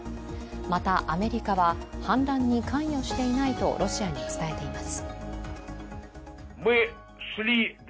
またアメリカは反乱に関与していないとロシアに伝えています。